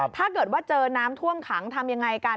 ถ้าเกิดว่าเจอน้ำท่วมขังทำยังไงกัน